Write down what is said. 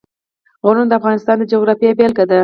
غرونه د افغانستان د جغرافیې بېلګه ده.